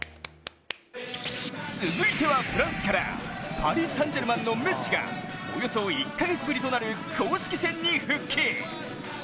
続いてはフランスからパリ・サン＝ジェルマンのメッシがおよそ１か月ぶりとなる公式戦に復帰。